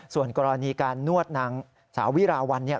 ส่วนกรณีการนวดนางสาววิราวัล